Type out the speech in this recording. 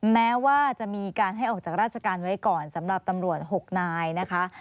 แม้ว่าจะมีการให้ออกจากราชการไว้ก่อนสำหรับตำรวจ๖นายนะคะ